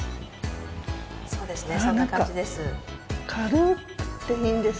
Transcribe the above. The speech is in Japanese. そうですねそんな感じです。